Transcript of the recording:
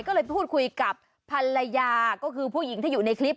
ก็เลยพูดคุยกับภรรยาก็คือผู้หญิงที่อยู่ในคลิป